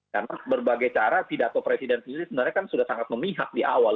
karena berbagai cara pidato presiden sendiri sebenarnya kan sudah sangat memihak di awal